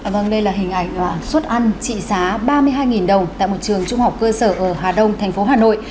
vâng đây là hình ảnh suất ăn trị giá ba mươi hai đồng tại một trường trung học cơ sở ở hà đông thành phố hà nội